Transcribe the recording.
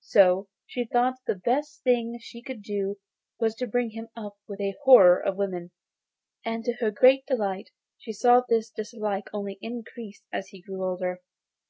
So she thought the best thing she could do was to bring him up with a horror of women; and, to her great delight, she saw this dislike only increased as he grew older.